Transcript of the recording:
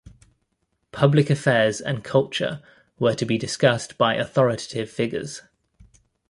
Public affairs and culture were to be discussed by authoritative figures.